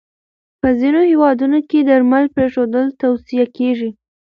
په ځینو هېوادونو کې درمل پرېښودل توصیه کېږي.